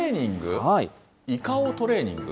イカをトレーニング？